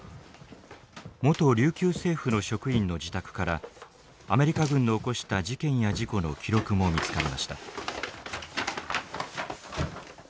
元琉球政府の職員の自宅からアメリカ軍の起こした事件や事故の記録も見つかりました。